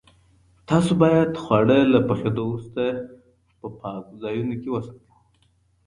تاسو باید خواړه له پخېدو وروسته په پاکو ځایونو کې وساتئ.